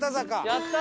やった！